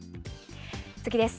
次です。